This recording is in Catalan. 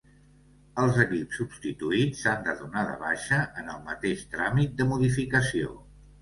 Els equips substituïts s'han de donar de baixa en el mateix tràmit de modificació.